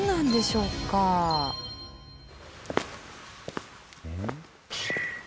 うん？